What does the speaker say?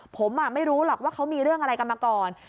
ผมไม่รู้หรอกว่าเขามีเรื่องอะไรกันมาก่อน